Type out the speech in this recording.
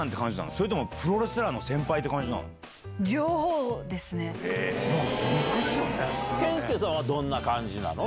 それともプロレスラーの先輩って感じなの？